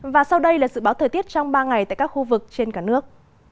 và sau đây là dự báo thời tiết trong ba ngày tại các khu vực trên cả nước